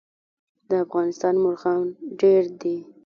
د افغانستان مرغان ډیر دي